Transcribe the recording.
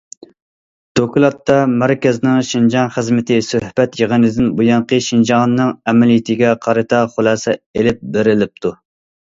دوكلاتتا مەركەزنىڭ شىنجاڭ خىزمىتى سۆھبەت يىغىنىدىن بۇيانقى شىنجاڭنىڭ ئەمەلىيىتىگە قارىتا خۇلاسە ئېلىپ بېرىلىپتۇ.